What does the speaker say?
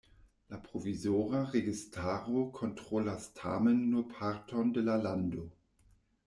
La provizora registaro kontrolas tamen nur parton de la lando.